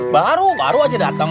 baru baru aja datang